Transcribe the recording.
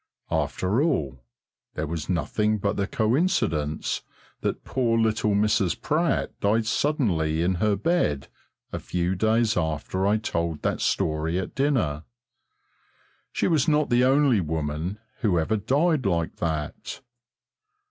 After all, there was nothing but the coincidence that poor little Mrs. Pratt died suddenly in her bed a few days after I told that story at dinner. She was not the only woman who ever died like that.